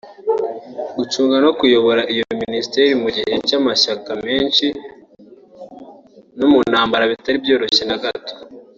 gucunga no kuyobora iyo Ministère mu gihe cy’amashyaka menshi no mu ntambara bitari byoroshye na gato